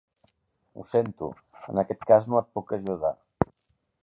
Ho sento, en aquest cas no et puc ajudar.